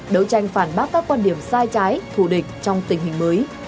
đấu tranh phản bác các quan điểm sai trái thù địch trong tình hình mới